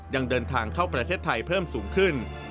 ยังเดินทางเข้าประเทศไทยเพิ่มสูงขึ้น